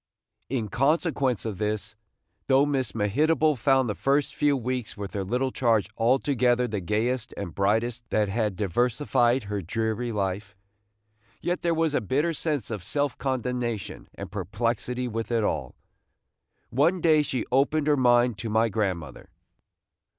In consequence of this, though Miss Mehitable found the first few weeks with her little charge altogether the gayest and brightest that had diversified her dreary life, yet there was a bitter sense of self condemnation and perplexity with it all. One day she opened her mind to my grandmother.